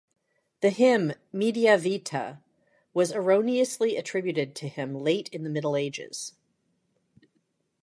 The hymn "Media Vita", was erroneously attributed to him late in the Middle Ages.